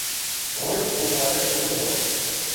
ہن وہ خالق چنگو بھَلو